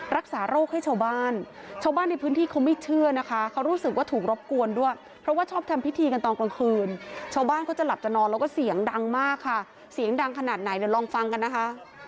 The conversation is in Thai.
รักษาโรคให้ชาวบ้านชาวบ้านในพื้นที่เขาไม่เชื่อนะคะเขารู้สึกว่าถูกรบกวนด้วยเพราะว่าชอบทำพิธีกันตอนกลางคืนชาวบ้านเขาจะหลับจะนอนแล้วก็เสียงดังมากค่ะเสียงดังขนาดไหนเดี๋ยวลองฟังกันนะคะ